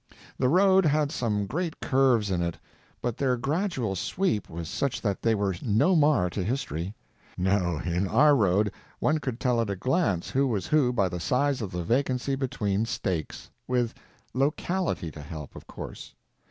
The road had some great curves in it, but their gradual sweep was such that they were no mar to history. No, in our road one could tell at a glance who was who by the size of the vacancy between stakes—with _locality _to help, of course.